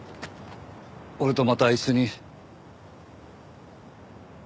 俺とまた一緒に。